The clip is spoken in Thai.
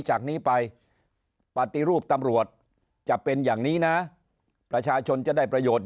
จากนี้ไปปฏิรูปตำรวจจะเป็นอย่างนี้นะประชาชนจะได้ประโยชน์